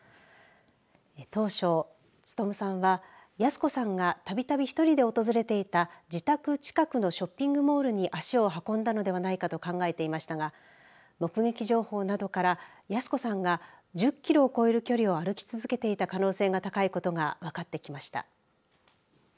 当初、勉さんは泰子さんがたびたび１人で訪れていた自宅近くのショッピングモールに足を運んだのではないかと考えていましたが目撃情報などから泰子さんが１０キロを超える距離を歩き続けていた可能性が高いことが分かってきました。